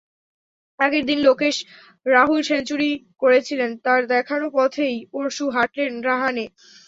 আগের দিন লোকেশ রাহুল সেঞ্চুরি করেছিলেন, তাঁর দেখানো পথেই পরশু হাঁটলেন রাহানে।